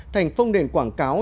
thành phong nền quảng cáo